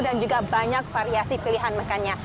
dan juga banyak variasi pilihan makannya